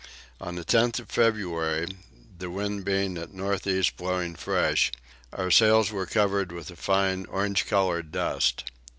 On the 10th of February, the wind being at north east blowing fresh, our sails were covered with a fine orange coloured dust.